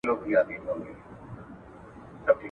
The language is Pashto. زه هره ورځ د سبا لپاره د ژبي تمرين کوم!